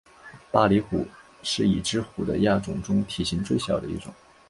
巴厘虎是已知虎的亚种中体型最小的一种。